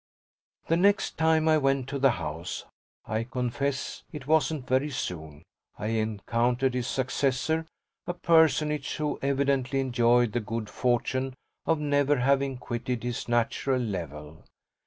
The next time I went to the house I confess it wasn't very soon I encountered his successor, a personage who evidently enjoyed the good fortune of never having quitted his natural level.